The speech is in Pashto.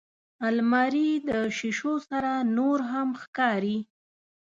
الماري د شیشو سره نورهم ښکاري